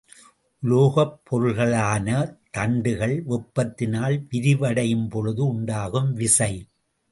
உலோகப் பொருள்களாலான தண்டுகள் வெப்பத்தினால் விரிவடையும் பொழுது உண்டாகும் விசை.